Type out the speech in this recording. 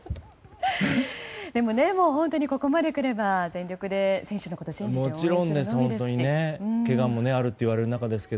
でも、本当にここまでくれば全力で選手のことを信じて応援するのみですし。